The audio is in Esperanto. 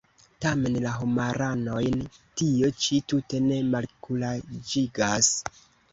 Tamen la homaranojn tio ĉi tute ne malkuraĝigas.